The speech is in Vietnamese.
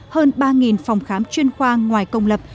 hơn ba phòng khám chuyên khoa ngoài công lập